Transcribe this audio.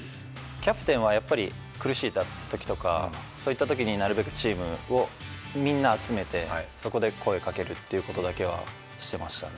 キャプテンは苦しいだとか、そういうときになるべくチームをみんな集めてそこで声かけるということだけはしてましたね。